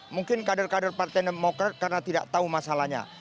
mungkin kader kader partai demokrat karena tidak tahu masalahnya